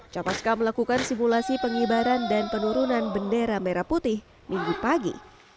capaska melakukan simulasi pengibaran dan penurunan bendera merah putih minggu pagi